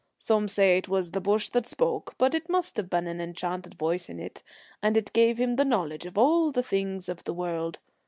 Some say it was the bush that spoke, but it must have been an enchanted voice in it, and it gave him the knowledge of all the things of the world.